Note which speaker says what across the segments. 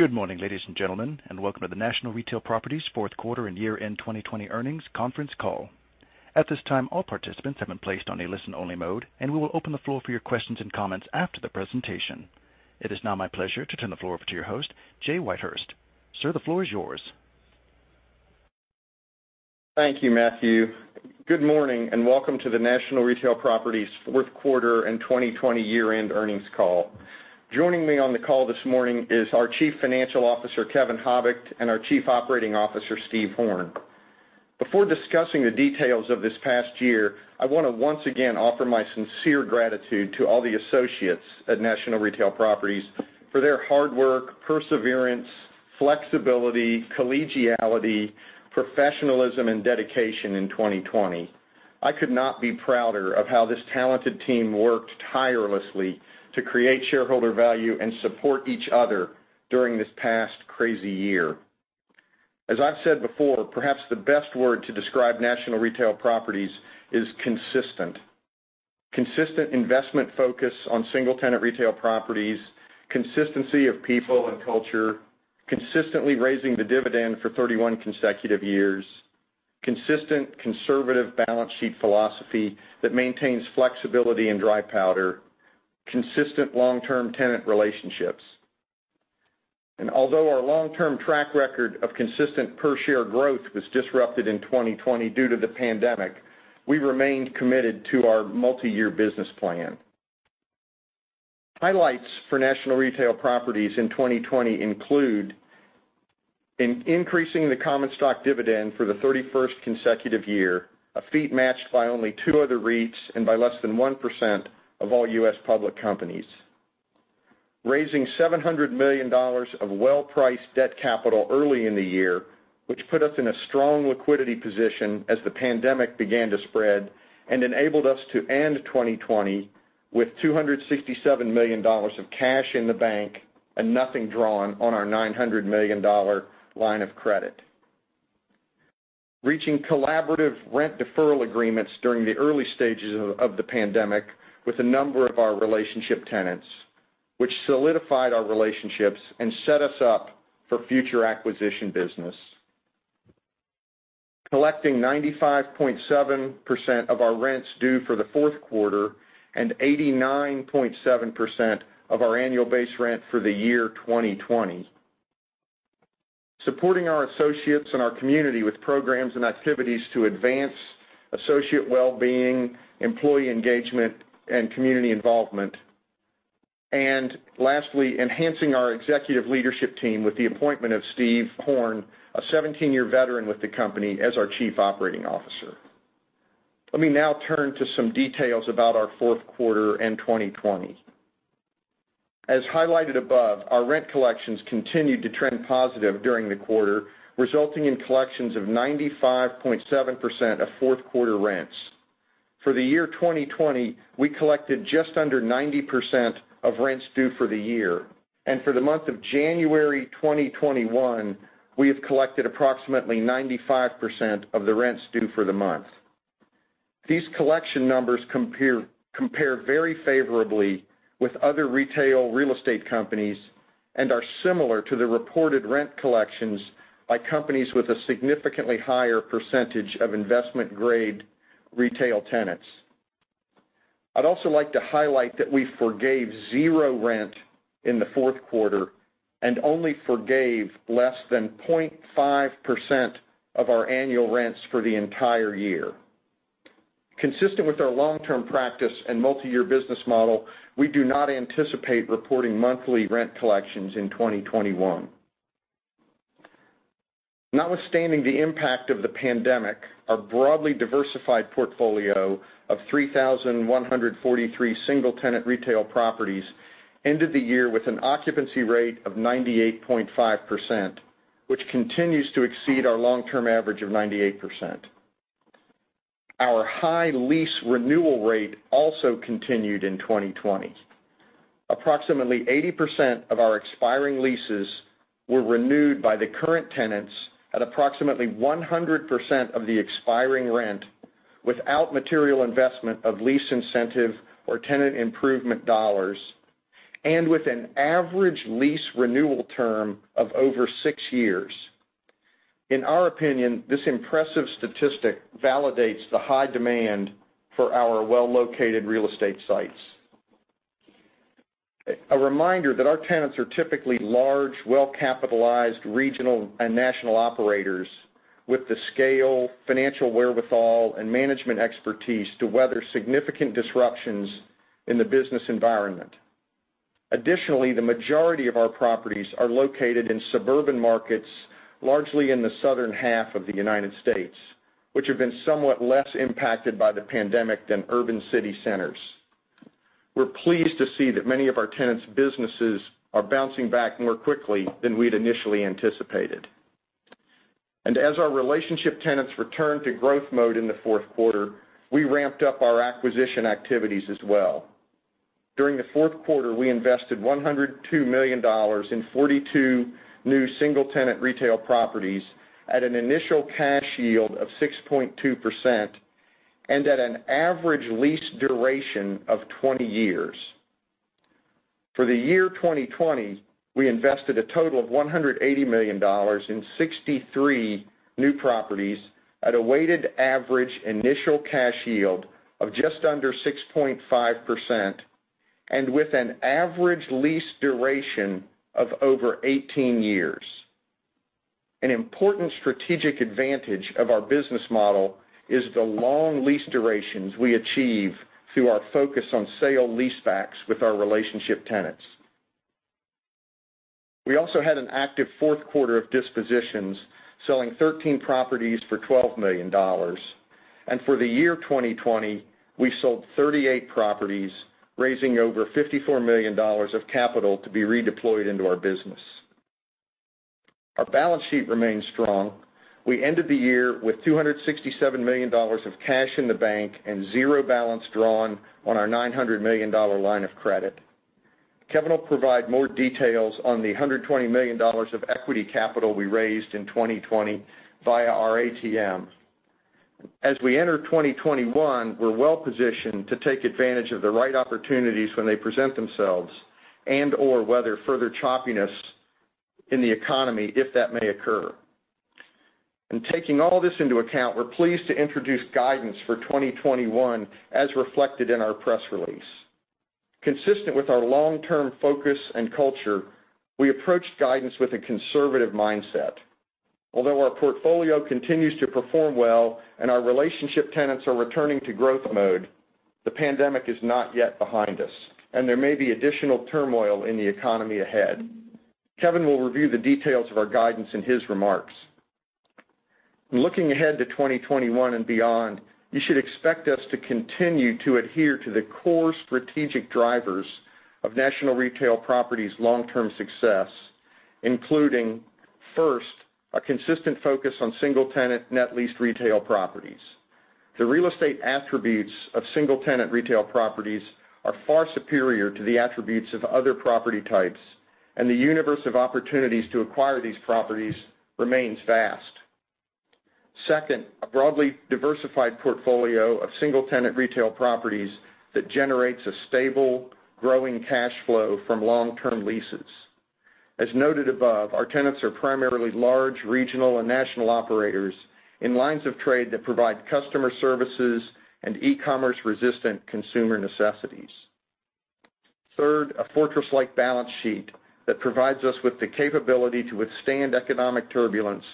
Speaker 1: Good morning, ladies and gentlemen, and welcome to the NNN REIT, Inc. fourth quarter and year-end 2020 earnings conference call. At this time, all participants have been placed on a listen-only mode, and we will open the floor for your questions and comments after the presentation. It is now my pleasure to turn the floor over to your host, Jay Whitehurst. Sir, the floor is yours.
Speaker 2: Thank you, Matthew. Good morning, and welcome to the NNN REIT, Inc. fourth quarter and 2020 year-end earnings call. Joining me on the call this morning is our Chief Financial Officer, Kevin Habicht, and our Chief Operating Officer, Steve Horn. Before discussing the details of this past year, I want to once again offer my sincere gratitude to all the associates at NNN REIT, Inc. for their hard work, perseverance, flexibility, collegiality, professionalism, and dedication in 2020. I could not be prouder of how this talented team worked tirelessly to create shareholder value and support each other during this past crazy year. As I've said before, perhaps the best word to describe NNN REIT, is consistent. Consistent investment focus on single-tenant retail properties, consistency of people and culture, consistently raising the dividend for 31 consecutive years, consistent conservative balance sheet philosophy that maintains flexibility and dry powder, consistent long-term tenant relationships. Although our long-term track record of consistent per-share growth was disrupted in 2020 due to the pandemic, we remained committed to our multi-year business plan. Highlights for National Retail Properties in 2020 include increasing the common stock dividend for the 31st consecutive year, a feat matched by only two other REITs and by less than 1% of all U.S. public companies. Raising $700 million of well-priced debt capital early in the year, which put us in a strong liquidity position as the pandemic began to spread and enabled us to end 2020 with $267 million of cash in the bank and nothing drawn on our $900 million line of credit. Reaching collaborative rent deferral agreements during the early stages of the pandemic with a number of our relationship tenants, which solidified our relationships and set us up for future acquisition business. Collecting 95.7% of our rents due for the fourth quarter and 89.7% of our annual base rent for the year 2020. Supporting our associates and our community with programs and activities to advance associate well-being, employee engagement, and community involvement. Lastly, enhancing our executive leadership team with the appointment of Steve Horn, a 17-year veteran with the company, as our Chief Operating Officer. Let me now turn to some details about our fourth quarter and 2020. As highlighted above, our rent collections continued to trend positive during the quarter, resulting in collections of 95.7% of fourth quarter rents. For the year 2020, we collected just under 90% of rents due for the year. For the month of January 2021, we have collected approximately 95% of the rents due for the month. These collection numbers compare very favorably with other retail real estate companies and are similar to the reported rent collections by companies with a significantly higher percentage of investment-grade retail tenants. I'd also like to highlight that we forgave zero rent in the fourth quarter and only forgave less than 0.5% of our annual rents for the entire year. Consistent with our long-term practice and multi-year business model, we do not anticipate reporting monthly rent collections in 2021. Notwithstanding the impact of the pandemic, our broadly diversified portfolio of 3,143 single-tenant retail properties ended the year with an occupancy rate of 98.5%, which continues to exceed our long-term average of 98%. Our high lease renewal rate also continued in 2020. Approximately 80% of our expiring leases were renewed by the current tenants at approximately 100% of the expiring rent without material investment of lease incentive or tenant improvement dollars, and with an average lease renewal term of over six years. In our opinion, this impressive statistic validates the high demand for our well-located real estate sites. A reminder that our tenants are typically large, well-capitalized regional and national operators with the scale, financial wherewithal, and management expertise to weather significant disruptions in the business environment. Additionally, the majority of our properties are located in suburban markets, largely in the southern half of the United States, which have been somewhat less impacted by the pandemic than urban city centers. We're pleased to see that many of our tenants' businesses are bouncing back more quickly than we'd initially anticipated. As our relationship tenants return to growth mode in the fourth quarter, we ramped up our acquisition activities as well. During the fourth quarter, we invested $102 million in 42 new single-tenant retail properties at an initial cash yield of 6.2%. At an average lease duration of 20 years. For the year 2020, we invested a total of $180 million in 63 new properties at a weighted average initial cash yield of just under 6.5%, and with an average lease duration of over 18 years. An important strategic advantage of our business model is the long lease durations we achieve through our focus on sale-leasebacks with our relationship tenants. We also had an active fourth quarter of dispositions, selling 13 properties for $12 million. For the year 2020, we sold 38 properties, raising over $54 million of capital to be redeployed into our business. Our balance sheet remains strong. We ended the year with $267 million of cash in the bank and zero balance drawn on our $900 million line of credit. Kevin will provide more details on the $120 million of equity capital we raised in 2020 via our ATM. As we enter 2021, we're well-positioned to take advantage of the right opportunities when they present themselves and/or weather further choppiness in the economy, if that may occur. In taking all this into account, we're pleased to introduce guidance for 2021, as reflected in our press release. Consistent with our long-term focus and culture, we approach guidance with a conservative mindset. Although our portfolio continues to perform well and our relationship tenants are returning to growth mode, the pandemic is not yet behind us, and there may be additional turmoil in the economy ahead. Kevin will review the details of our guidance in his remarks. In looking ahead to 2021 and beyond, you should expect us to continue to adhere to the core strategic drivers of NNN REIT, Inc.'s long-term success, including, first, a consistent focus on single-tenant net leased retail properties. The real estate attributes of single-tenant retail properties are far superior to the attributes of other property types, and the universe of opportunities to acquire these properties remains vast. Second, a broadly diversified portfolio of single-tenant retail properties that generates a stable, growing cash flow from long-term leases. As noted above, our tenants are primarily large regional and national operators in lines of trade that provide customer services and e-commerce resistant consumer necessities. Third, a fortress-like balance sheet that provides us with the capability to withstand economic turbulence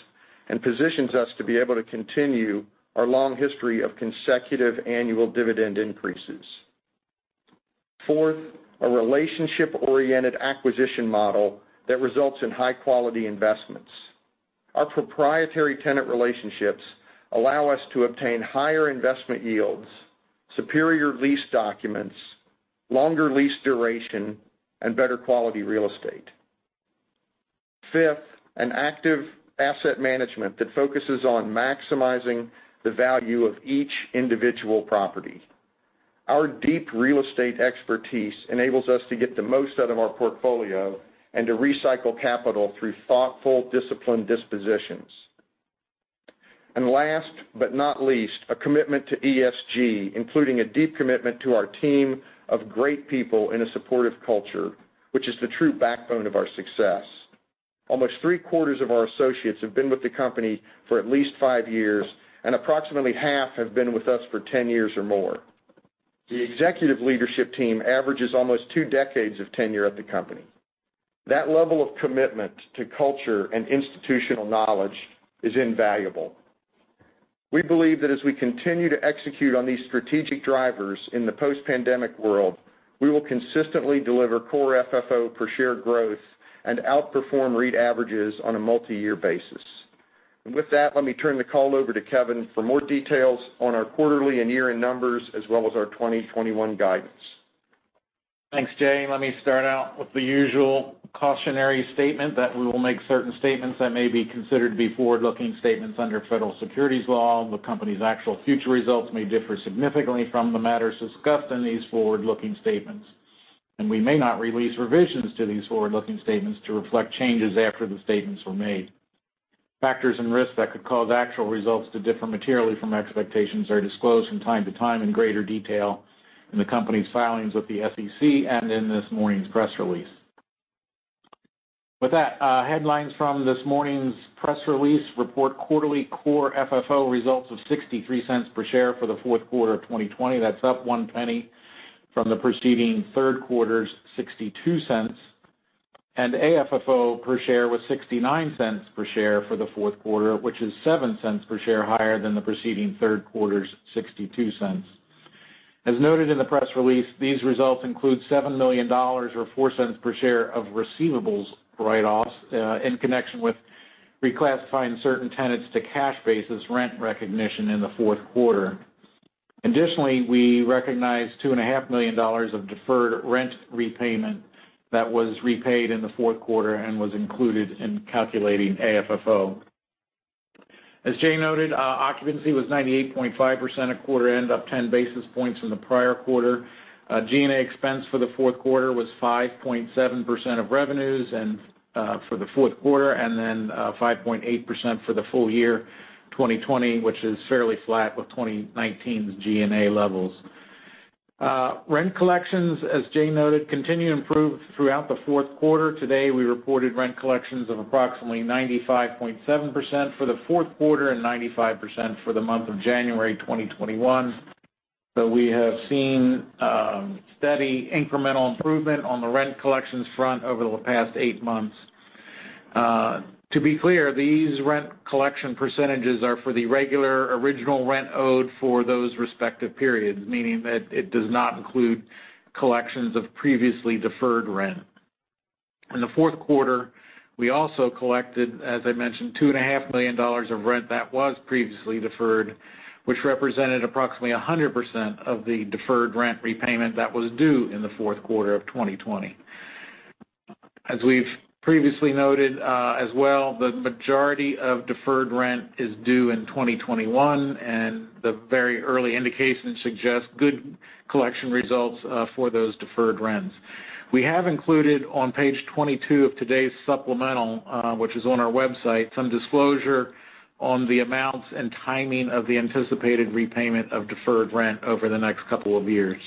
Speaker 2: and positions us to be able to continue our long history of consecutive annual dividend increases. Fourth, a relationship-oriented acquisition model that results in high-quality investments. Our proprietary tenant relationships allow us to obtain higher investment yields, superior lease documents, longer lease duration, and better quality real estate. Fifth, an active asset management that focuses on maximizing the value of each individual property. Our deep real estate expertise enables us to get the most out of our portfolio and to recycle capital through thoughtful, disciplined dispositions. Last but not least, a commitment to ESG, including a deep commitment to our team of great people in a supportive culture, which is the true backbone of our success. Almost three-quarters of our associates have been with the company for at least five years, and approximately half have been with us for 10 years or more. The executive leadership team averages almost two decades of tenure at the company. That level of commitment to culture and institutional knowledge is invaluable. We believe that as we continue to execute on these strategic drivers in the post-pandemic world, we will consistently deliver Core FFO per share growth and outperform REIT averages on a multi-year basis. With that, let me turn the call over to Kevin for more details on our quarterly and year-end numbers, as well as our 2021 guidance.
Speaker 3: Thanks, Jay. Let me start out with the usual cautionary statement that we will make certain statements that may be considered to be forward-looking statements under federal securities law. The company's actual future results may differ significantly from the matters discussed in these forward-looking statements. We may not release revisions to these forward-looking statements to reflect changes after the statements were made. Factors and risks that could cause actual results to differ materially from expectations are disclosed from time to time in greater detail in the company's filings with the SEC and in this morning's press release. With that, headlines from this morning's press release report quarterly Core FFO results of $0.63 per share for the fourth quarter of 2020. That's up $0.01 from the preceding third quarter's $0.62. AFFO per share was $0.69 per share for the fourth quarter, which is $0.07 per share higher than the preceding third quarter's $0.62. As noted in the press release, these results include $7 million, or $0.04 per share, of receivables write-offs in connection with reclassifying certain tenants to cash basis rent recognition in the fourth quarter. Additionally, we recognized $2.5 million of deferred rent repayment that was repaid in the fourth quarter and was included in calculating AFFO. As Jay noted, occupancy was 98.5% at quarter end, up 10 basis points from the prior quarter. G&A expense for the fourth quarter was 5.7% of revenues, and then 5.8% for the full year 2020, which is fairly flat with 2019's G&A levels. Rent collections, as Jay noted, continue to improve throughout the fourth quarter. Today, we reported rent collections of approximately 95.7% for the fourth quarter and 95% for the month of January 2021. We have seen steady incremental improvement on the rent collections front over the past eight months. To be clear, these rent collection percentages are for the regular original rent owed for those respective periods, meaning that it does not include collections of previously deferred rent. In the fourth quarter, we also collected, as I mentioned, $2.5 million of rent that was previously deferred, which represented approximately 100% of the deferred rent repayment that was due in the fourth quarter of 2020. As we've previously noted as well, the majority of deferred rent is due in 2021, and the very early indications suggest good collection results for those deferred rents. We have included on page 22 of today's supplemental, which is on our website, some disclosure on the amounts and timing of the anticipated repayment of deferred rent over the next couple of years.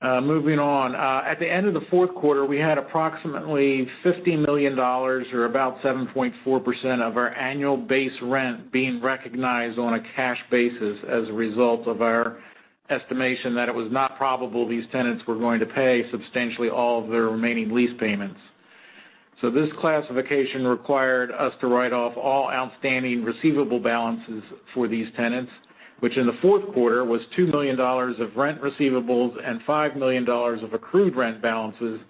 Speaker 3: Moving on. At the end of the fourth quarter, we had approximately $50 million or about 7.4% of our annual base rent being recognized on a cash basis as a result of our estimation that it was not probable these tenants were going to pay substantially all of their remaining lease payments. This classification required us to write off all outstanding receivable balances for these tenants, which in the fourth quarter was $2 million of rent receivables and $5 million of accrued rent balances,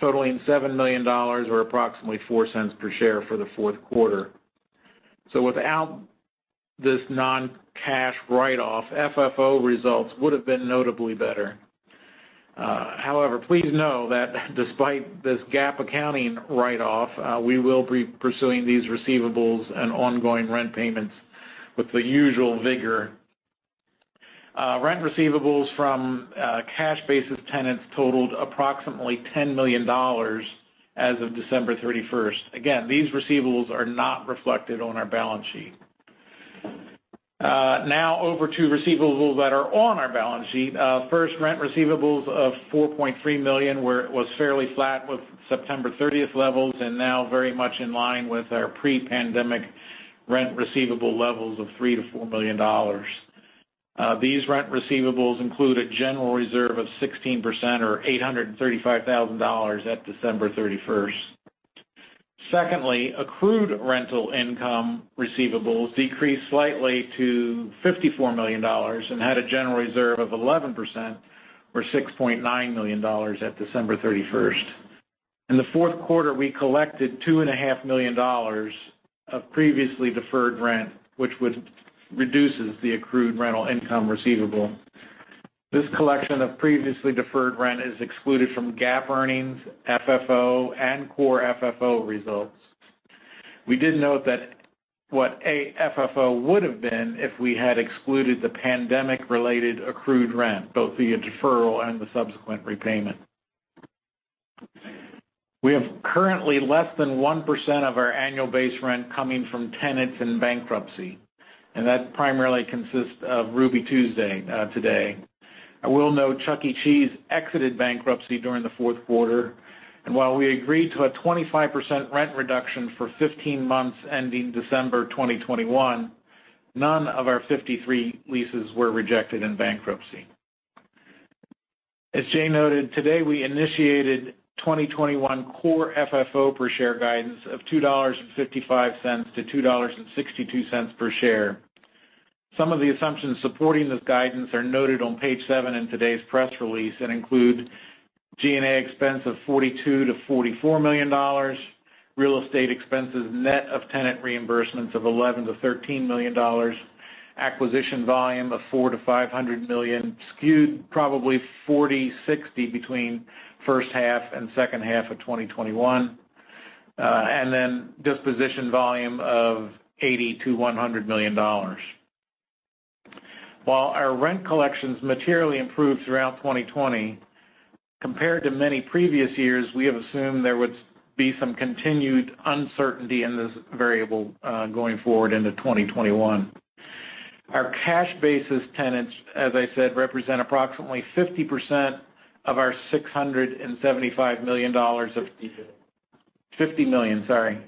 Speaker 3: totaling $7 million or approximately $0.04 per share for the fourth quarter. Without this non-cash write-off, FFO results would have been notably better. Please know that despite this GAAP accounting write-off, we will be pursuing these receivables and ongoing rent payments with the usual vigor. Rent receivables from cash basis tenants totaled approximately $10 million as of December 31st. These receivables are not reflected on our balance sheet. Over to receivables that are on our balance sheet. Rent receivables of $4.3 million where it was fairly flat with September 30th levels and now very much in line with our pre-pandemic rent receivable levels of $3 million-$4 million. These rent receivables include a general reserve of 16% or $835,000 at December 31st. Accrued rental income receivables decreased slightly to $54 million and had a general reserve of 11%, or $6.9 million at December 31st. In the fourth quarter, we collected $2.5 million of previously deferred rent, which reduces the accrued rental income receivable. This collection of previously deferred rent is excluded from GAAP earnings, FFO, and Core FFO results. We did note that what FFO would have been if we had excluded the pandemic related accrued rent, both the deferral and the subsequent repayment. We have currently less than 1% of our annual base rent coming from tenants in bankruptcy, and that primarily consists of Ruby Tuesday today. I will note Chuck E. Cheese exited bankruptcy during the fourth quarter, and while we agreed to a 25% rent reduction for 15 months ending December 2021, none of our 53 leases were rejected in bankruptcy. As Jay noted, today we initiated 2021 Core FFO per share guidance of $2.55 to $2.62 per share. Some of the assumptions supporting this guidance are noted on page seven in today's press release and include G&A expense of $42 million-$44 million, real estate expenses net of tenant reimbursements of $11 million-$13 million, acquisition volume of $400 million-$500 million, skewed probably 40/60 between first half and second half of 2021, and then disposition volume of $80 million-$100 million. While our rent collections materially improved throughout 2020, compared to many previous years, we have assumed there would be some continued uncertainty in this variable going forward into 2021. Our cash basis tenants, as I said, represent approximately 50% of our $675 million.
Speaker 4: $50 million.
Speaker 3: $50 million, sorry.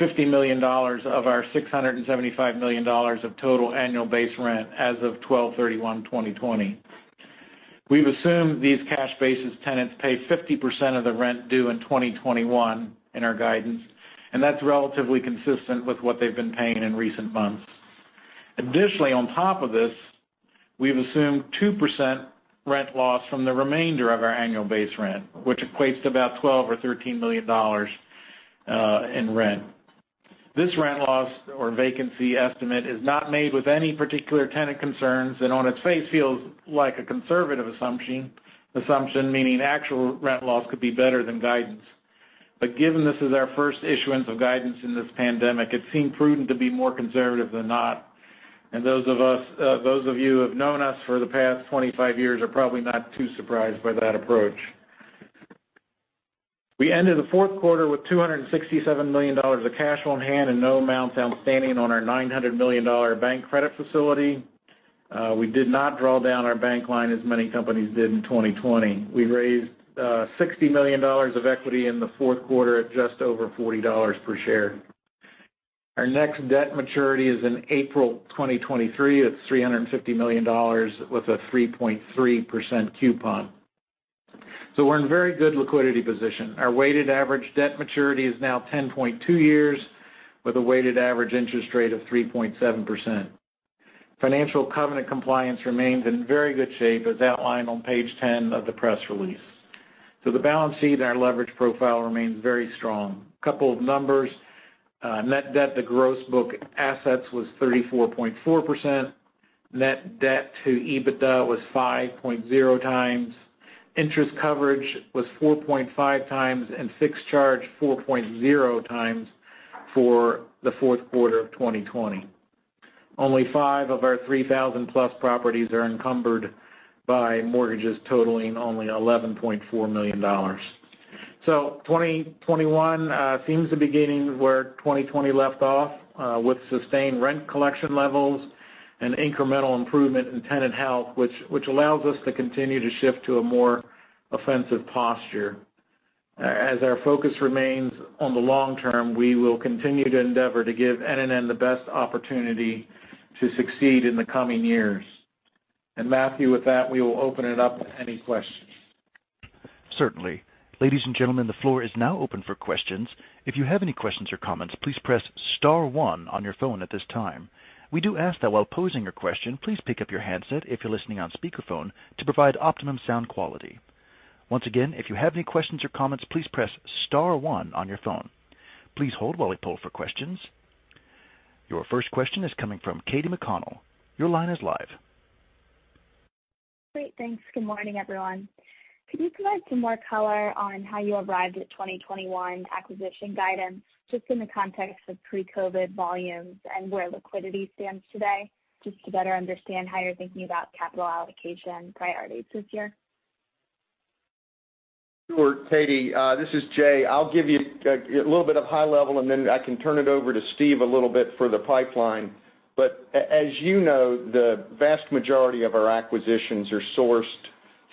Speaker 3: $50 million of our $675 million of total annual base rent as of 12,31,2020. We've assumed these cash basis tenants pay 50% of the rent due in 2021 in our guidance, and that's relatively consistent with what they've been paying in recent months. Additionally, on top of this, we have assumed 2% rent loss from the remainder of our annual base rent, which equates to about $12 or $13 million in rent. This rent loss or vacancy estimate is not made with any particular tenant concerns, and on its face, feels like a conservative assumption, meaning actual rent loss could be better than guidance. Given this is our first issuance of guidance in this pandemic, it seemed prudent to be more conservative than not. Those of you who have known us for the past 25 years are probably not too surprised by that approach. We ended the fourth quarter with $267 million of cash on hand and no amounts outstanding on our $900 million bank credit facility. We did not draw down our bank line as many companies did in 2020. We raised $60 million of equity in the fourth quarter at just over $40 per share. Our next debt maturity is in April 2023. It's $350 million with a 3.3% coupon. We're in very good liquidity position. Our weighted average debt maturity is now 10.2 years with a weighted average interest rate of 3.7%. Financial covenant compliance remains in very good shape, as outlined on page 10 of the press release. The balance sheet and our leverage profile remains very strong. Couple of numbers. Net debt to gross book assets was 34.4%. Net debt to EBITDA was 5.0 times. Interest coverage was 4.5 times and fixed charge 4.0 times for the fourth quarter of 2020. Only five of our 3,000-plus properties are encumbered by mortgages totaling only $11.4 million. 2021 seems to be getting where 2020 left off, with sustained rent collection levels and incremental improvement in tenant health, which allows us to continue to shift to a more offensive posture. As our focus remains on the long term, we will continue to endeavor to give NNN the best opportunity to succeed in the coming years. Matthew, with that, we will open it up to any questions.
Speaker 1: Certainly. Ladies and gentlemen, the floor is now open for questions. If you have any questions or comments, please press star one on your phone at this time. We do ask that while posing your question, please pick up your handset if you're listening on speakerphone to provide optimum sound quality. Once again, if you have any questions or comments, please press star one on your phone. Please hold while we poll for questions. Your first question is coming from Katy McConnell. Your line is live.
Speaker 5: Great. Thanks. Good morning, everyone. Could you provide some more color on how you arrived at 2021 acquisition guidance, just in the context of pre-COVID volumes and where liquidity stands today, just to better understand how you're thinking about capital allocation priorities this year?
Speaker 2: Sure, Katy. This is Jay. I'll give you a little bit of high level, and then I can turn it over to Steve a little bit for the pipeline. As you know, the vast majority of our acquisitions are sourced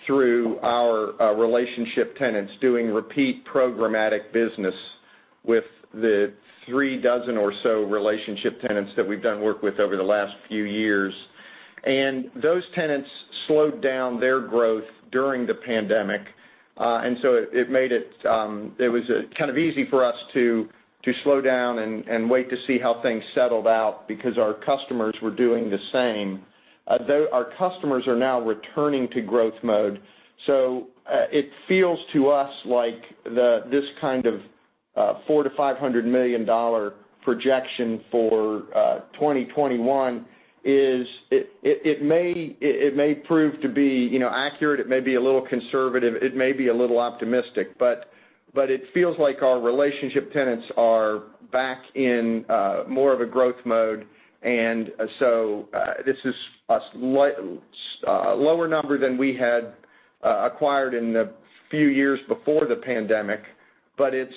Speaker 2: through our relationship tenants, doing repeat programmatic business with the three dozen or so relationship tenants that we've done work with over the last few years. Those tenants slowed down their growth during the pandemic. It was kind of easy for us to slow down and wait to see how things settled out because our customers were doing the same. Our customers are now returning to growth mode. It feels to us like this kind of $400 million-$500 million projection for 2021, it may prove to be accurate. It may be a little conservative. It may be a little optimistic. It feels like our relationship tenants are back in more of a growth mode. This is a lower number than we had acquired in the few years before the pandemic, but it's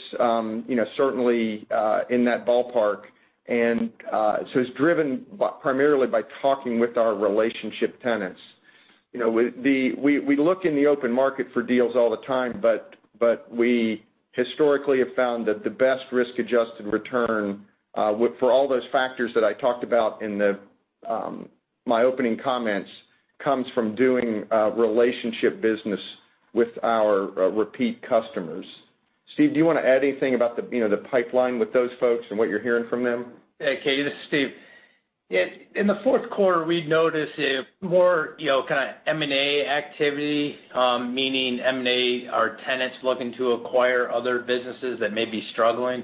Speaker 2: certainly in that ballpark. It's driven primarily by talking with our relationship tenants. We look in the open market for deals all the time, but we historically have found that the best risk-adjusted return, for all those factors that I talked about in my opening comments, comes from doing relationship business with our repeat customers. Steve, do you want to add anything about the pipeline with those folks and what you're hearing from them?
Speaker 4: Hey, Katy, this is Steve. In the fourth quarter, we noticed a more kind of M&A activity, meaning M&A, our tenants looking to acquire other businesses that may be struggling.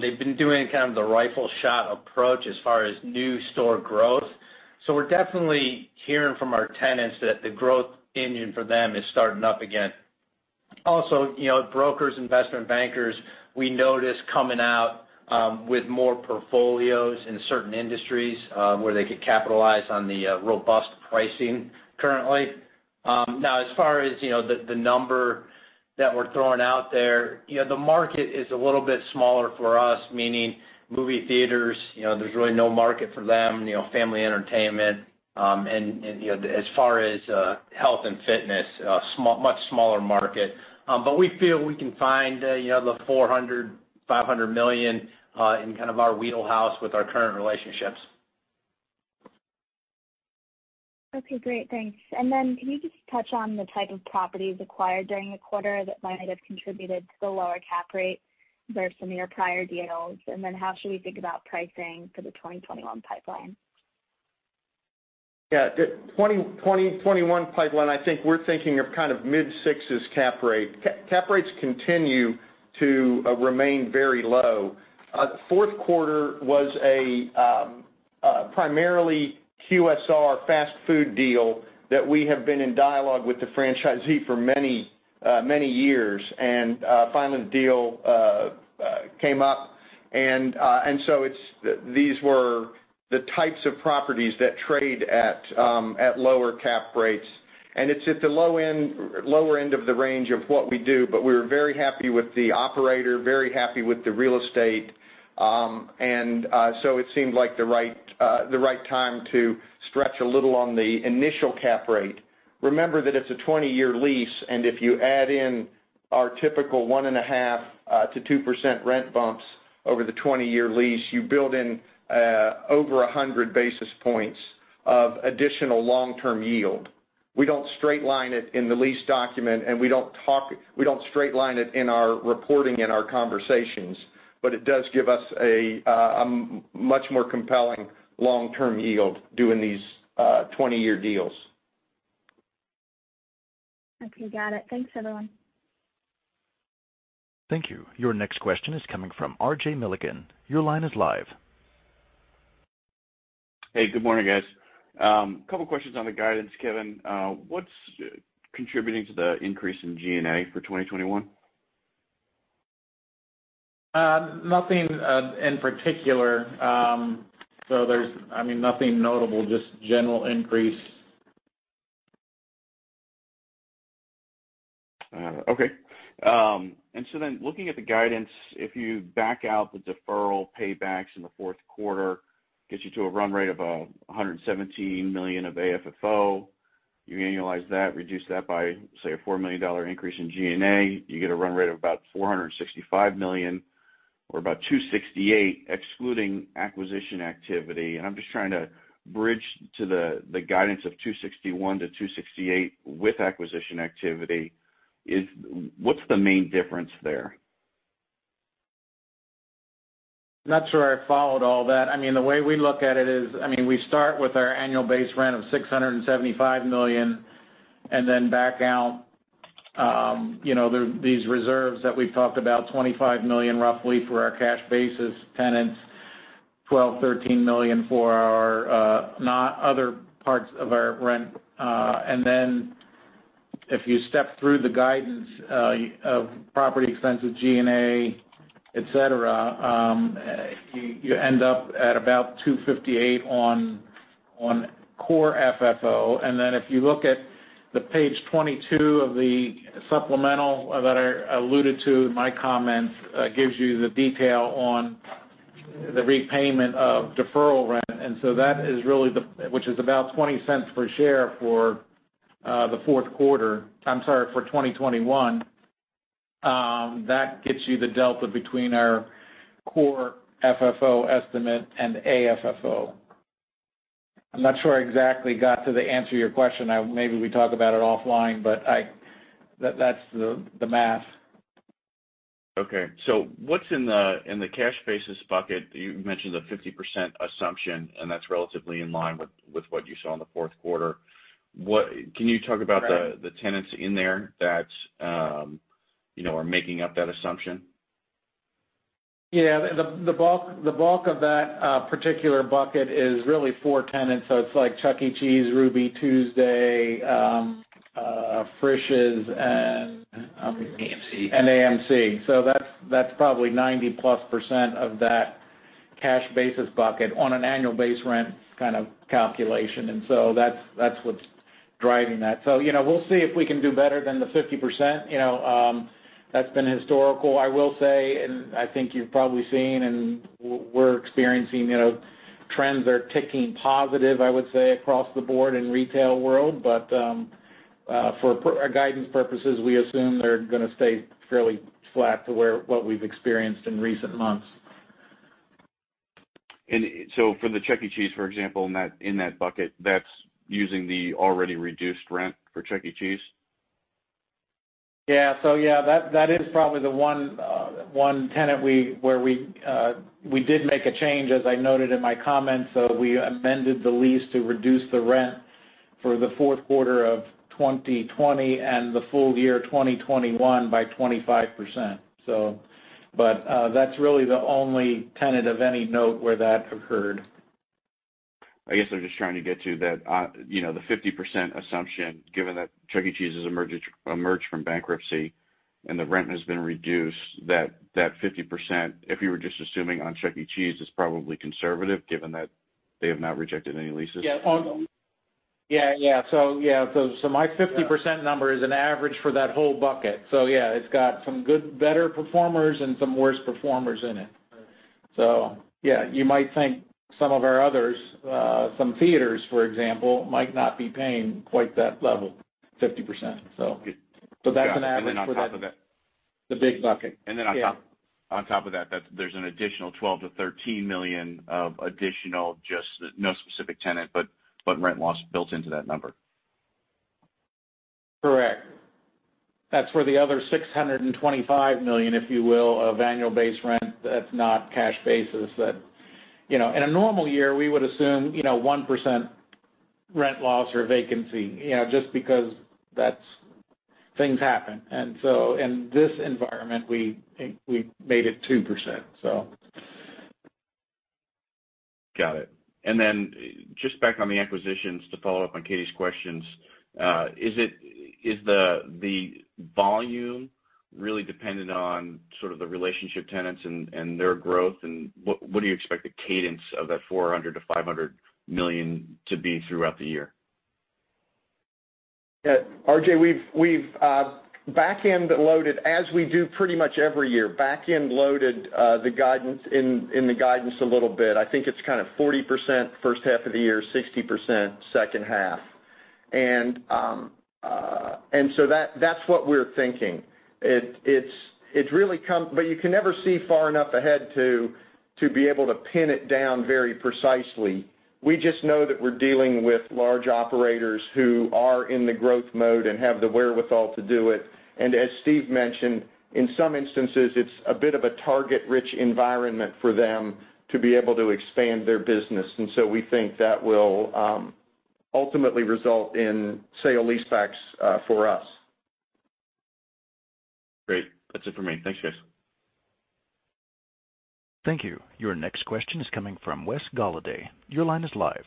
Speaker 4: They've been doing kind of the rifle shot approach as far as new store growth. We're definitely hearing from our tenants that the growth engine for them is starting up again. Also, brokers, investment bankers, we notice coming out with more portfolios in certain industries, where they could capitalize on the robust pricing currently. As far as the number that we're throwing out there, the market is a little bit smaller for us, meaning movie theaters, there's really no market for them, family entertainment. As far as health and fitness, a much smaller market. We feel we can find the $400 million, $500 million in kind of our wheelhouse with our current relationships.
Speaker 5: Okay, great. Thanks. Can you just touch on the type of properties acquired during the quarter that might have contributed to the lower cap rate compared to some of your prior deals? How should we think about pricing for the 2021 pipeline?
Speaker 2: Yeah. 2021 pipeline, I think we're thinking of kind of mid-sixes cap rate. Cap rates continue to remain very low. Fourth quarter was a primarily QSR fast food deal that we have been in dialogue with the franchisee for many years, and finally the deal came up. These were the types of properties that trade at lower cap rates, and it's at the lower end of the range of what we do, but we're very happy with the operator, very happy with the real estate. It seemed like the right time to stretch a little on the initial cap rate. Remember that it's a 20-year lease, and if you add in our typical 1.5%-2% rent bumps over the 20-year lease, you build in over 100 basis points of additional long-term yield. We don't straight line it in the lease document, and we don't straight line it in our reporting, in our conversations, but it does give us a much more compelling long-term yield doing these 20-year deals.
Speaker 5: Okay, got it. Thanks, everyone.
Speaker 1: Thank you. Your next question is coming from RJ Milligan. Your line is live.
Speaker 6: Hey, good morning, guys. Couple questions on the guidance, Kevin. What's contributing to the increase in G&A for 2021?
Speaker 3: Nothing in particular. There's nothing notable, just general increase.
Speaker 6: Okay. Looking at the guidance, if you back out the deferral paybacks in the fourth quarter, gets you to a run rate of $117 million of AFFO. You annualize that, reduce that by, say, a $4 million increase in G&A, you get a run rate of about $465 million or about $268 excluding acquisition activity. I'm just trying to bridge to the guidance of $261-$268 with acquisition activity. What's the main difference there?
Speaker 3: Not sure I followed all that. The way we look at it is, we start with our annual base rent of $675 million and then back out these reserves that we've talked about, $25 million roughly for our cash basis tenants, $12 million, $13 million for our other parts of our rent. If you step through the guidance of property expense with G&A, et cetera, you end up at about $258 on Core FFO. If you look at the page 22 of the supplemental that I alluded to in my comments, gives you the detail on the repayment of deferral rent, which is about $0.20 per share for the fourth quarter, I'm sorry, for 2021. That gets you the delta between our Core FFO estimate and AFFO. I'm not sure I exactly got to the answer your question. Maybe we talk about it offline, but that's the math.
Speaker 6: What's in the cash basis bucket? You mentioned the 50% assumption, that's relatively in line with what you saw in the fourth quarter. Can you talk about the tenants in there that are making up that assumption?
Speaker 3: Yeah. The bulk of that particular bucket is really four tenants. It's like Chuck E. Cheese, Ruby Tuesday, Frisch's.
Speaker 2: AMC
Speaker 3: AMC. That's probably 90-plus % of that cash basis bucket on an annual base rent kind of calculation. That's what's driving that. We'll see if we can do better than the 50%. That's been historical, I will say, and I think you've probably seen and we're experiencing trends are ticking positive, I would say, across the board in retail world. For guidance purposes, we assume they're going to stay fairly flat to what we've experienced in recent months.
Speaker 6: For the Chuck E. Cheese, for example, in that bucket, that's using the already reduced rent for Chuck E. Cheese?
Speaker 3: Yeah. That is probably the one tenant where we did make a change, as I noted in my comments. We amended the lease to reduce the rent for the fourth quarter of 2020 and the full year 2021 by 25%. That's really the only tenant of any note where that occurred.
Speaker 6: I guess I'm just trying to get to that 50% assumption, given that Chuck E. Cheese has emerged from bankruptcy and the rent has been reduced, that 50%, if you were just assuming on Chuck E. Cheese, is probably conservative given that they have not rejected any leases.
Speaker 3: My 50% number is an average for that whole bucket. It's got some better performers and some worse performers in it. You might think some of our others, some theaters, for example, might not be paying quite that level, 50%. That's an average for the big bucket.
Speaker 6: On top of that, there's an additional $12 million-$13 million of additional, no specific tenant, but rent loss built into that number.
Speaker 3: Correct. That's for the other $625 million, if you will, of annual base rent that's not cash basis. In a normal year, we would assume 1% rent loss or vacancy, just because things happen. In this environment, we made it 2%.
Speaker 6: Got it. Just back on the acquisitions to follow up on Katy's questions. Is the volume really dependent on sort of the relationship tenants and their growth, and what do you expect the cadence of that $400 million-$500 million to be throughout the year?
Speaker 2: Yeah. RJ, we've back-end loaded, as we do pretty much every year, back-end loaded the guidance in the guidance a little bit. I think it's kind of 40% first half of the year, 60% second half. That's what we're thinking. You can never see far enough ahead to be able to pin it down very precisely. We just know that we're dealing with large operators who are in the growth mode and have the wherewithal to do it. As Steve mentioned, in some instances, it's a bit of a target-rich environment for them to be able to expand their business. We think that will ultimately result in sale-leasebacks for us.
Speaker 6: Great. That's it for me. Thanks, guys.
Speaker 1: Thank you. Your next question is coming from Wes Golladay. Your line is live.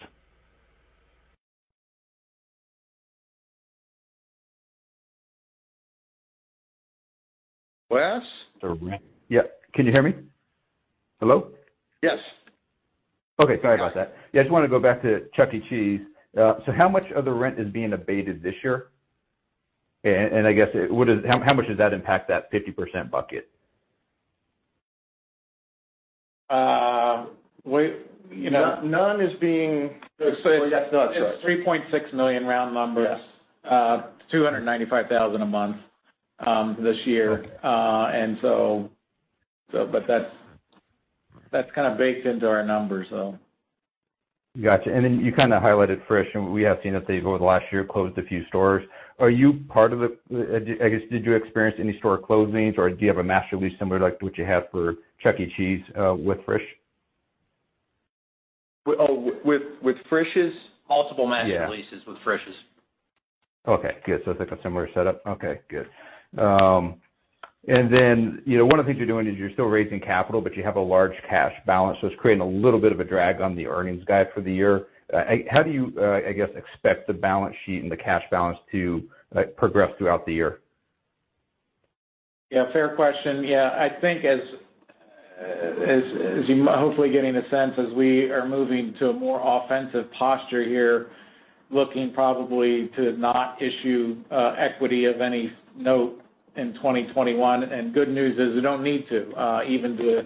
Speaker 2: Wes?
Speaker 7: Yeah. Can you hear me? Hello?
Speaker 2: Yes.
Speaker 7: Okay. Sorry about that. Yeah, I just want to go back to Chuck E. Cheese. How much of the rent is being abated this year? I guess, how much does that impact that 50% bucket?
Speaker 2: None is being—
Speaker 3: So that's not—
Speaker 2: Sorry.
Speaker 3: It's $3.6 million, round numbers.
Speaker 7: Yeah.
Speaker 3: $295,000 a month, this year. That's kind of baked into our numbers.
Speaker 7: Got you. Then you kind of highlighted Frisch's. We have seen that they, over the last year, closed a few stores. I guess, did you experience any store closings, or do you have a master lease similar to what you have for Chuck E. Cheese with Frisch's?
Speaker 2: With Frisch's?
Speaker 3: Multiple master leases.
Speaker 7: Yeah
Speaker 3: With Frisch's.
Speaker 7: Okay, good. It's like a similar setup. Okay, good. One of the things you're doing is you're still raising capital, but you have a large cash balance, it's creating a little bit of a drag on the earnings guide for the year. How do you, I guess, expect the balance sheet and the cash balance to progress throughout the year?
Speaker 3: Fair question. I think as you're hopefully getting a sense as we are moving to a more offensive posture here, looking probably to not issue equity of any note in 2021. Good news is we don't need to. Even to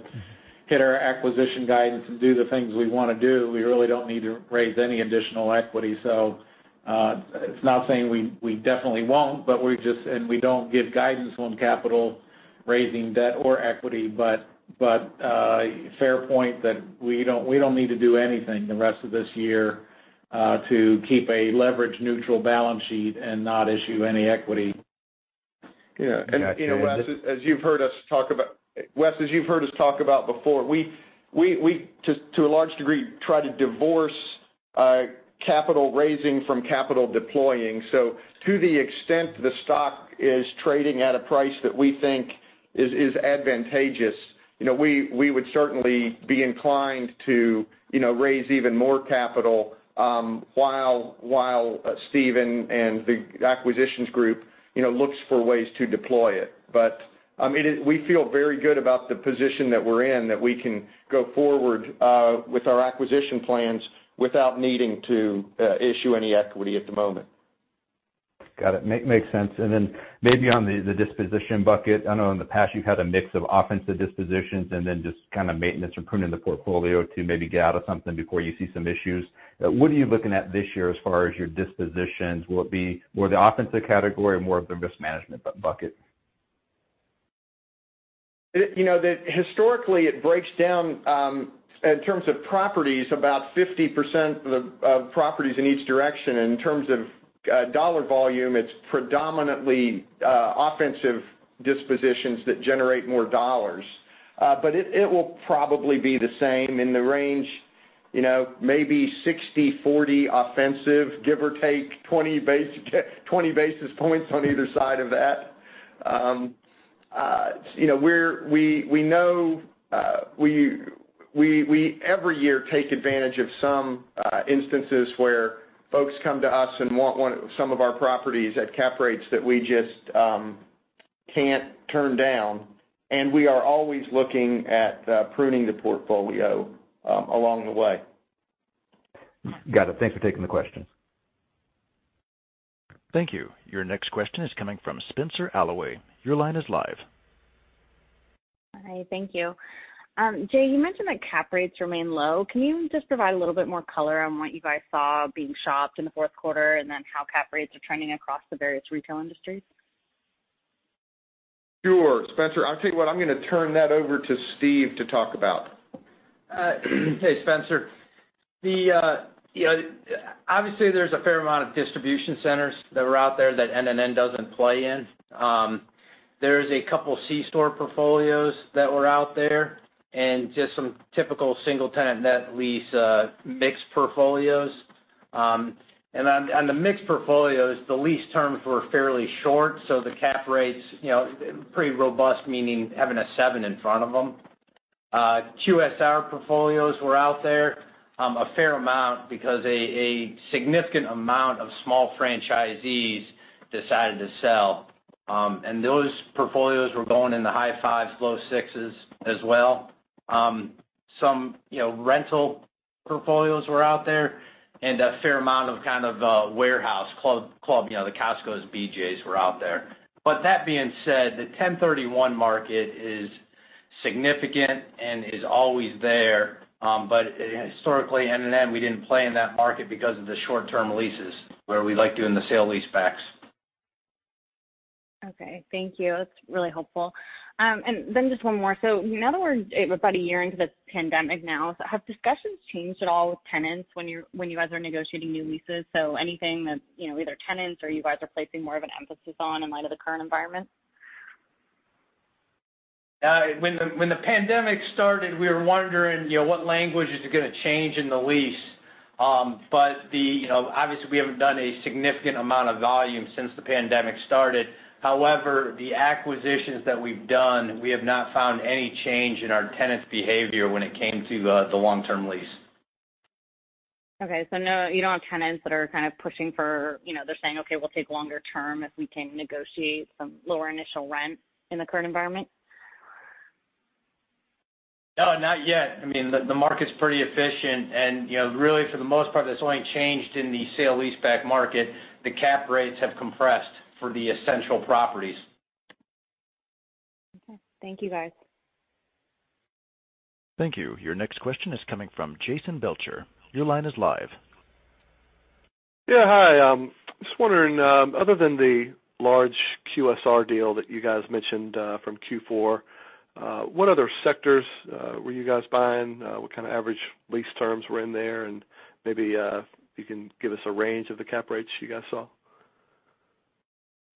Speaker 3: hit our acquisition guidance and do the things we want to do, we really don't need to raise any additional equity. It's not saying we definitely won't, and we don't give guidance on capital raising debt or equity, but fair point that we don't need to do anything the rest of this year, to keep a leverage-neutral balance sheet and not issue any equity.
Speaker 2: Yeah. Wes, as you've heard us talk about before, we, to a large degree, try to divorce capital raising from capital deploying. To the extent the stock is trading at a price that we think is advantageous, we would certainly be inclined to raise even more capital, while Steve and the acquisitions group looks for ways to deploy it. We feel very good about the position that we're in, that we can go forward with our acquisition plans without needing to issue any equity at the moment.
Speaker 7: Got it. Makes sense. Maybe on the disposition bucket, I know in the past you've had a mix of offensive dispositions and then just kind of maintenance or pruning the portfolio to maybe get out of something before you see some issues. What are you looking at this year as far as your dispositions? Will it be more the offensive category or more of the risk management bucket?
Speaker 2: Historically, it breaks down, in terms of properties, about 50% of properties in each direction. In terms of dollar volume, it's predominantly offensive dispositions that generate more dollars. It will probably be the same in the range, maybe 60/40 offensive, give or take 20 basis points on either side of that. We every year take advantage of some instances where folks come to us and want some of our properties at cap rates that we just can't turn down. We are always looking at pruning the portfolio along the way.
Speaker 7: Got it. Thanks for taking the question.
Speaker 1: Thank you. Your next question is coming from Spenser Glimcher. Your line is live.
Speaker 8: Hi. Thank you. Jay, you mentioned that cap rates remain low. Can you just provide a little bit more color on what you guys saw being shopped in the fourth quarter, and then how cap rates are trending across the various retail industries?
Speaker 2: Sure. Spenser, I'll tell you what, I'm going to turn that over to Steve to talk about.
Speaker 4: Hey, Spenser. Obviously, there's a fair amount of distribution centers that are out there that NNN doesn't play in. There's a couple C-store portfolios that were out there and just some typical single-tenant net lease mixed portfolios. On the mixed portfolios, the lease terms were fairly short, so the cap rates pretty robust, meaning having a seven in front of them. QSR portfolios were out there, a fair amount because a significant amount of small franchisees decided to sell. Those portfolios were going in the high fives, low sixes as well. Some rental portfolios were out there, and a fair amount of kind of warehouse club, the Costco, BJ's were out there. That being said, the 1031 market is significant and is always there. Historically, NNN, we didn't play in that market because of the short-term leases, where we like doing the sale-leasebacks.
Speaker 8: Okay. Thank you. That's really helpful. Just one more. Now that we're about a year into this pandemic, have discussions changed at all with tenants when you guys are negotiating new leases? Anything that either tenants or you guys are placing more of an emphasis on in light of the current environment?
Speaker 4: When the pandemic started, we were wondering what language is going to change in the lease. Obviously, we haven't done a significant amount of volume since the pandemic started. However, the acquisitions that we've done, we have not found any change in our tenants' behavior when it came to the long-term lease.
Speaker 8: No. You don't have tenants that are kind of pushing for, they're saying, "Okay, we'll take longer term if we can negotiate some lower initial rent in the current environment?"
Speaker 4: No, not yet. The market's pretty efficient and really, for the most part, that's only changed in the sale-leaseback market. The cap rates have compressed for the essential properties.
Speaker 8: Okay. Thank you, guys.
Speaker 1: Thank you. Your next question is coming from Jason Belcher. Your line is live.
Speaker 9: Yeah. Hi. Just wondering, other than the large QSR deal that you guys mentioned from Q4, what other sectors were you guys buying? What kind of average lease terms were in there? Maybe you can give us a range of the cap rates you guys saw.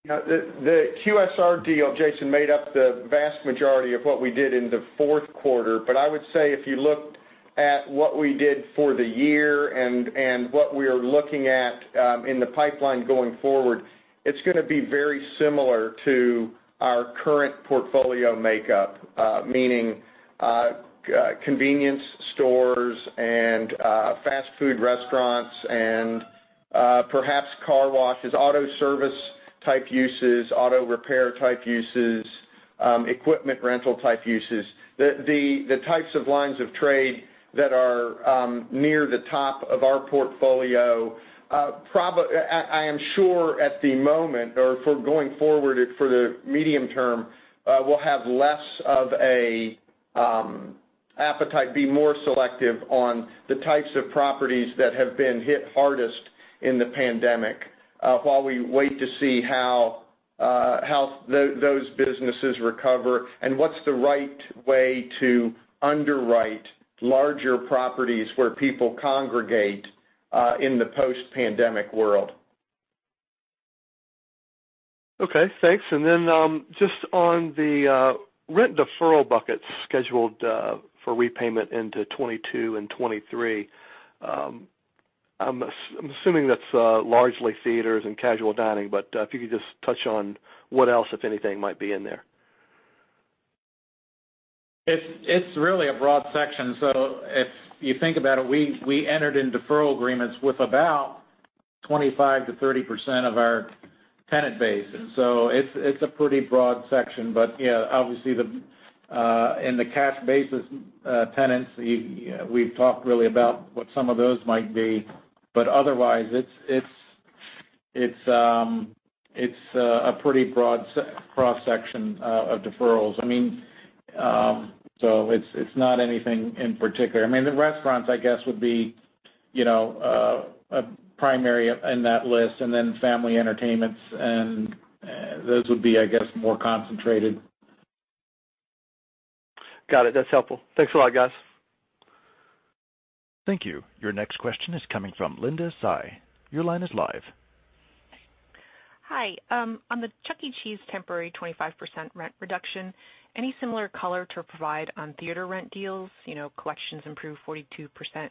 Speaker 2: The QSR deal, Jason, made up the vast majority of what we did in the fourth quarter. I would say if you looked at what we did for the year and what we're looking at in the pipeline going forward, it's going to be very similar to our current portfolio makeup, meaning convenience stores and fast food restaurants and perhaps car washes, auto service type uses, auto repair type uses, equipment rental type uses. The types of lines of trade that are near the top of our portfolio, I am sure at the moment, or for going forward for the medium term, we'll have less of an appetite, be more selective on the types of properties that have been hit hardest in the pandemic, while we wait to see how those businesses recover and what's the right way to underwrite larger properties where people congregate in the post-pandemic world.
Speaker 9: Okay, thanks. Just on the rent deferral buckets scheduled for repayment into 2022 and 2023. I'm assuming that's largely theaters and casual dining, but if you could just touch on what else, if anything, might be in there.
Speaker 3: It's really a broad section. If you think about it, we entered in deferral agreements with about 25%-30% of our tenant base. It's a pretty broad section. Yeah, obviously, in the cash basis tenants, we've talked really about what some of those might be. Otherwise, it's a pretty broad cross-section of deferrals. It's not anything in particular. The restaurants, I guess, would be a primary in that list, and then family entertainments, and those would be, I guess, more concentrated.
Speaker 9: Got it. That's helpful. Thanks a lot, guys.
Speaker 1: Thank you. Your next question is coming from Linda Tsai. Your line is live.
Speaker 10: Hi. On the Chuck E. Cheese temporary 25% rent reduction, any similar color to provide on theater rent deals? Collections improved 42%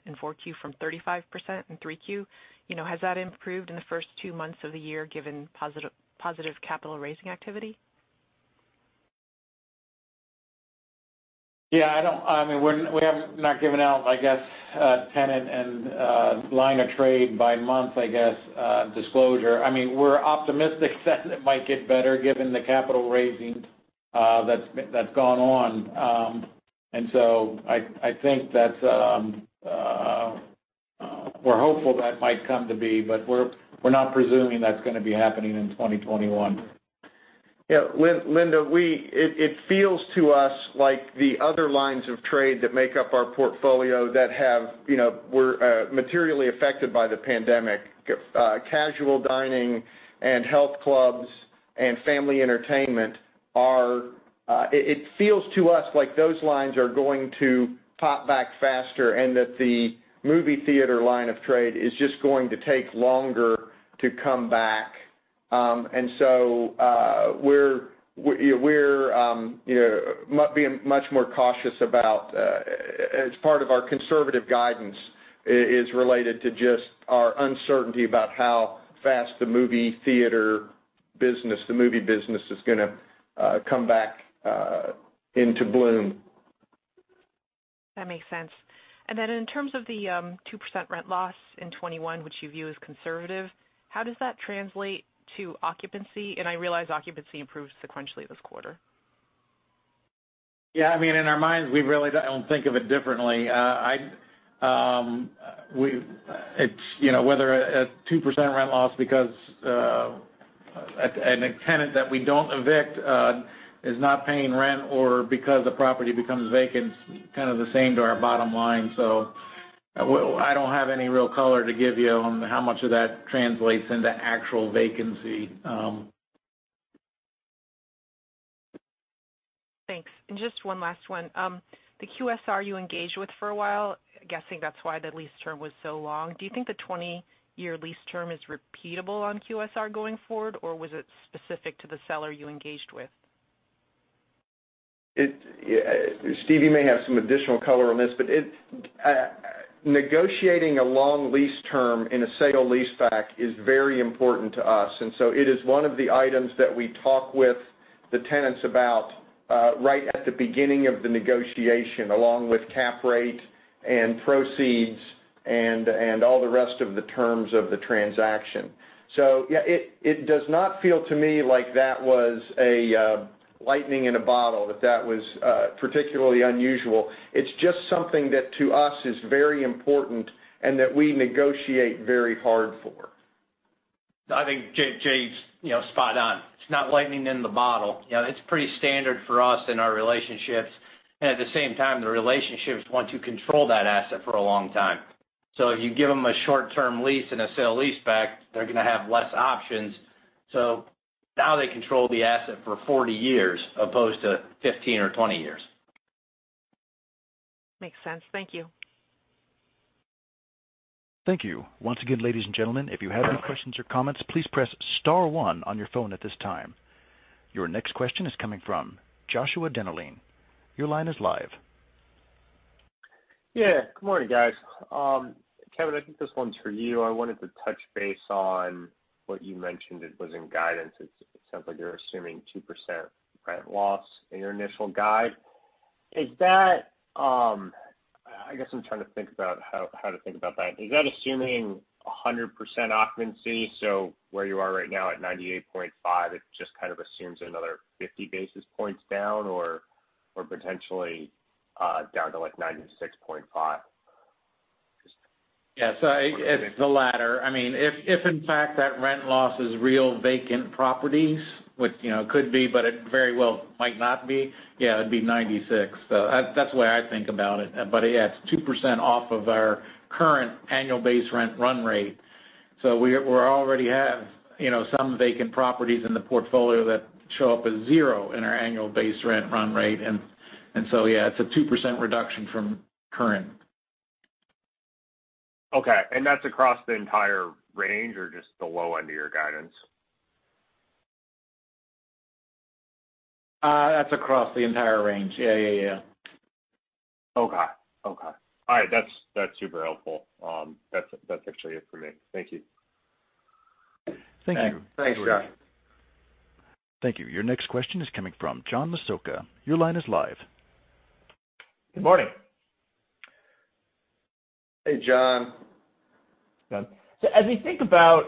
Speaker 10: in 4Q from 35% in 3Q. Has that improved in the first two months of the year, given positive capital raising activity?
Speaker 3: Yeah. We have not given out, I guess, tenant and line of trade by month disclosure. We're optimistic that it might get better given the capital raising that's gone on. I think we're hopeful that might come to be, but we're not presuming that's going to be happening in 2021.
Speaker 2: Yeah. Linda, it feels to us like the other lines of trade that make up our portfolio that were materially affected by the pandemic, casual dining and health clubs and family entertainment, it feels to us like those lines are going to pop back faster and that the movie theater line of trade is just going to take longer to come back. We're being much more cautious. As part of our conservative guidance is related to just our uncertainty about how fast the movie business is going to come back into bloom.
Speaker 10: That makes sense. In terms of the 2% rent loss in 2021, which you view as conservative, how does that translate to occupancy? I realize occupancy improved sequentially this quarter.
Speaker 3: Yeah, in our minds, we really don't think of it differently. Whether a 2% rent loss because a tenant that we don't evict is not paying rent or because the property becomes vacant, kind of the same to our bottom line. I don't have any real color to give you on how much of that translates into actual vacancy.
Speaker 10: Thanks. Just one last one. The QSR you engaged with for a while, guessing that's why the lease term was so long. Do you think the 20-year lease term is repeatable on QSR going forward, or was it specific to the seller you engaged with?
Speaker 2: Steve, you may have some additional color on this, but negotiating a long lease term in a sale-leaseback is very important to us. It is one of the items that we talk with the tenants about, right at the beginning of the negotiation, along with cap rate and proceeds and all the rest of the terms of the transaction. Yeah, it does not feel to me like that was a lightning in a bottle, that that was particularly unusual. It's just something that to us is very important and that we negotiate very hard for.
Speaker 4: I think Jay's spot on. It's not lightning in the bottle. It's pretty standard for us in our relationships, and at the same time, the relationships want to control that asset for a long time. If you give them a short-term lease in a sale-leaseback, they're going to have less options. Now they control the asset for 40 years as opposed to 15 or 20 years.
Speaker 10: Makes sense. Thank you.
Speaker 1: Thank you. Once again, ladies and gentlemen, if you have any questions or comments, please press star one on your phone at this time. Your next question is coming from Joshua Dennerlein. Your line is live.
Speaker 11: Yeah. Good morning, guys. Kevin, I think this one's for you. I wanted to touch base on what you mentioned. It was in guidance. It sounds like you're assuming 2% rent loss in your initial guide. I guess I'm trying to think about how to think about that. Is that assuming 100% occupancy, so where you are right now at 98.5, it just kind of assumes another 50 basis points down or potentially down to like 96.5?
Speaker 3: Yeah. It's the latter. If in fact that rent loss is real vacant properties, which could be, but it very well might not be, yeah, it'd be 96. That's the way I think about it. Yeah, it's 2% off of our current annual base rent run rate. We already have some vacant properties in the portfolio that show up as zero in our annual base rent run rate, yeah, it's a 2% reduction from current.
Speaker 11: Okay, that's across the entire range or just the low end of your guidance?
Speaker 3: That acrossed the entire range. Yeah.
Speaker 11: Okay. Okay. That is it from me thank you.
Speaker 1: Thank you.
Speaker 3: Thanks, Joshua.
Speaker 1: Thank you. Your next question is coming from John Massocca. Your line is live.
Speaker 12: Good morning.
Speaker 3: Hey, John.
Speaker 12: As we think about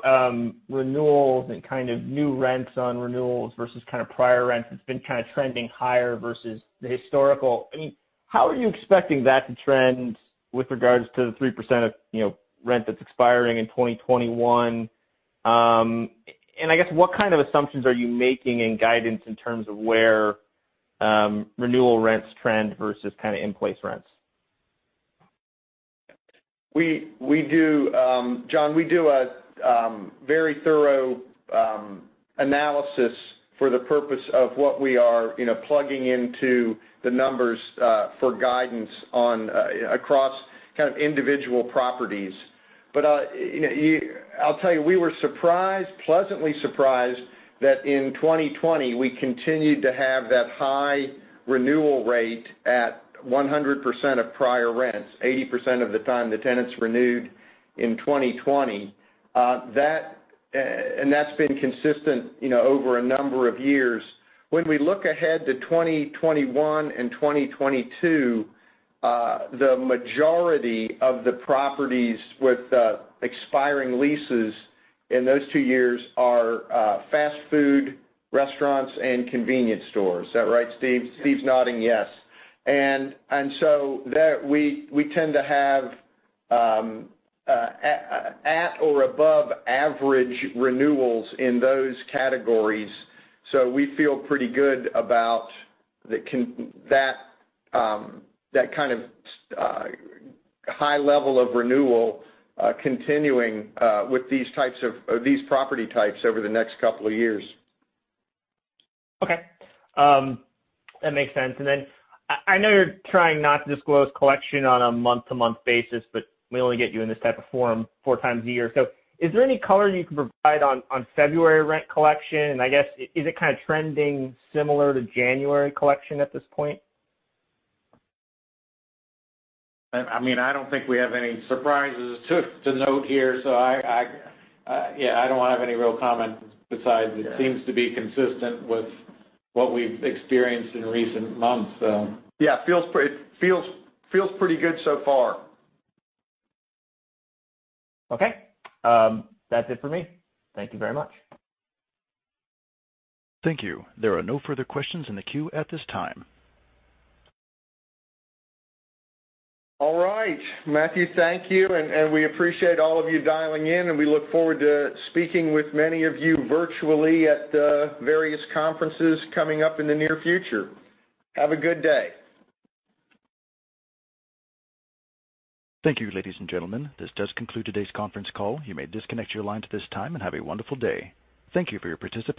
Speaker 12: renewals and kind of new rents on renewals versus kind of prior rents, it's been kind of trending higher versus the historical. How are you expecting that to trend with regards to the 3% of rent that's expiring in 2021? I guess what kind of assumptions are you making in guidance in terms of where renewal rents trend versus kind of in-place rents?
Speaker 2: John, we do a very thorough analysis for the purpose of what we are plugging into the numbers for guidance across kind of individual properties. I'll tell you, we were pleasantly surprised that in 2020, we continued to have that high renewal rate at 100% of prior rents. 80% of the time, the tenants renewed in 2020. That's been consistent over a number of years. When we look ahead to 2021 and 2022, the majority of the properties with expiring leases in those two years are fast food, restaurants, and convenience stores. Is that right, Steve? Steve's nodding yes. There, we tend to have at or above average renewals in those categories. We feel pretty good about that kind of high level of renewal continuing with these property types over the next couple of years.
Speaker 12: Okay. That makes sense. I know you're trying not to disclose collection on a month-to-month basis, but we only get you in this type of forum four times a year. Is there any color you can provide on February rent collection? I guess, is it kind of trending similar to January collection at this point?
Speaker 3: I don't think we have any surprises to note here. Yeah, I don't have any real comment besides it seems to be consistent with what we've experienced in recent months.
Speaker 4: Yeah, it feels pretty good so far.
Speaker 12: Okay. That's it for me. Thank you very much.
Speaker 1: Thank you. There are no further questions in the queue at this time.
Speaker 2: All right. Matthew, thank you, and we appreciate all of you dialing in, and we look forward to speaking with many of you virtually at various conferences coming up in the near future. Have a good day.
Speaker 1: Thank you, ladies and gentlemen. This does conclude today's conference call. You may disconnect your lines at this time, and have a wonderful day. Thank you for your participation.